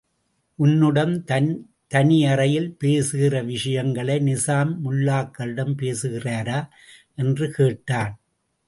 உன்னிடம் தன் தனியறையில் பேசுகிற விஷயங்களை நிசாம் முல்லாக்களிடம் பேசுகிறாரா? என்று கேட்டான்.